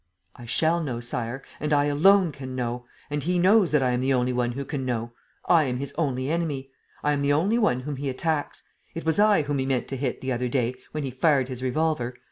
"I shall know, Sire. And I alone can know. And he knows that I am the only one who can know. I am his only enemy. I am the only one whom he attacks. It was I whom he meant to hit, the other day, when he fired his revolver.